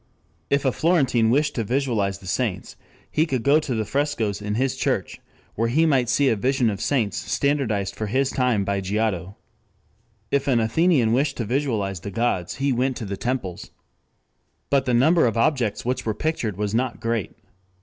If a Florentine wished to visualize the saints, he could go to the frescoes in his church, where he might see a vision of saints standardized for his time by Giotto. If an Athenian wished to visualize the gods he went to the temples. But the number of objects which were pictured was not great.